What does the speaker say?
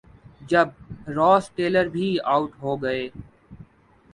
جب Ross Taylor بھی out ہو گئے۔